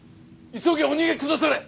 急ぎお逃げ下され！